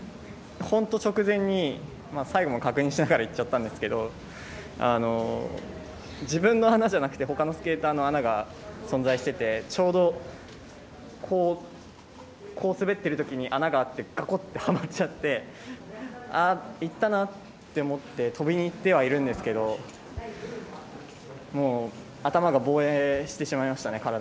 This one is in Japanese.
本当、直前に最後、確認しながらいっちゃったんですけど自分の穴じゃなくてほかのスケーターの穴が存在していてちょうど滑っているときに穴があってガコッて、はまっちゃって「いったな」って思って止めにいってはいるんですけど頭が防衛してしまいましたね。